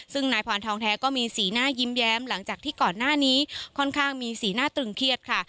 ซึ่งนายพรทองแท้ก็มีสีหน้ายิ้มแย้มหลังจากที่ก่อนหน้านี้ค่อนข้างมีสีหน้าตรึงเครียดค่ะ